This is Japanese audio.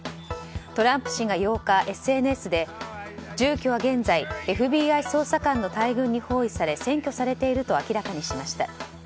トランプ氏が８日ＳＮＳで住居は現在ＦＢＩ捜査官の大群に包囲され占拠されていると明らかにしました。